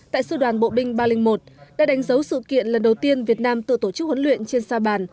tại sư đoàn bộ binh ba trăm linh một đã đánh dấu sự kiện lần đầu tiên việt nam tự tổ chức huấn luyện trên sa bàn